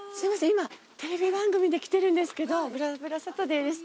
今テレビ番組で来てるんですけど『ぶらぶらサタデー』です。